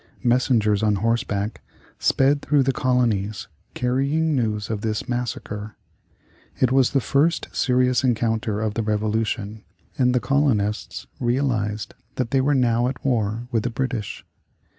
Messengers on horseback sped through the colonies carrying news of this massacre. It was the first serious encounter of the Revolution and the colonists realized that they were now at war with the British.